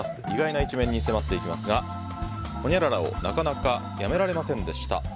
意外な一面に迫っていきますがほにゃららをなかなか辞められませんでした。